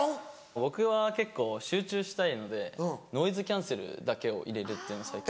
僕は結構集中したいのでノイズキャンセルだけを入れるっていうのを最近。